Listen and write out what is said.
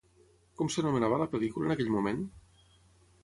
Com s'anomenava la pel·lícula en aquell moment?